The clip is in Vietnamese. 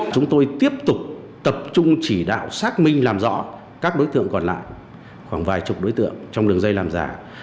chúng tôi tiếp tục tập trung chỉ đạo xác minh làm rõ các đối tượng còn lại khoảng vài chục đối tượng trong đường dây làm giả